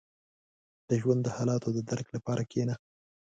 • د ژوند د حالاتو د درک لپاره کښېنه.